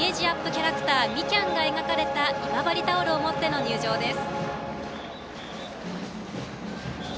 キャラクターみきゃんが描かれた今治タオルを持っての入場です。